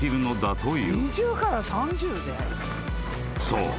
［そう。